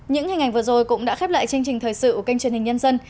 những hình ảnh vừa rồi cũng đã khép lại chương trình thời sự của kênh truyền hình nhân dân